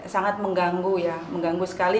sangat mengganggu ya mengganggu sekali